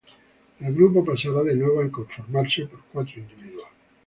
El grupo pasara de nuevo a conformarse por cuatro individuos.